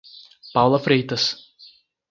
Paula Freitas